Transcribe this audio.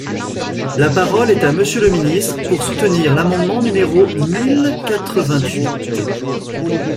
La parole est à Monsieur le ministre, pour soutenir l’amendement numéro mille quatre-vingt-huit.